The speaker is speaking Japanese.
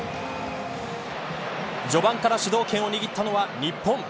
序盤から主導権を握ったのは日本。